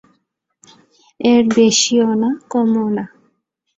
এর বেশিও না, কমও না।